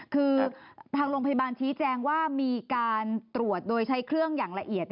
คือทางโรงพยาบาลชี้แจงว่ามีการตรวจโดยใช้เครื่องอย่างละเอียด